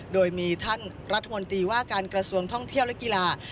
โดยมีท่านรัฐมนตรีว่าการกระทรวงท่องเที่ยวและกีฬา